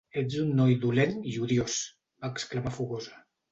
"Ets un noi dolent i odiós!", va exclamar fogosa.